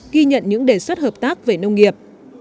ghi nhận những đề xuất hợp tác về nông nghiệp